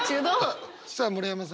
さあ村山さん